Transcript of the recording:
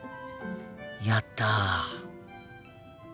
やった。